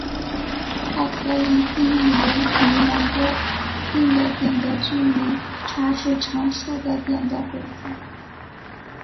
它还可以定义为与两个固定的点的距离差是常数的点的轨迹。